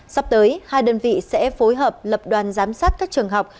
sắp tới hai đơn vị sẽ phối hợp lập đoàn giám sát các trường học